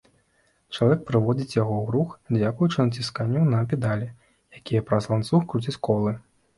Чалавек прыводзіць яго ў рух дзякуючы націсканню на педалі, якія праз ланцуг круцяць колы.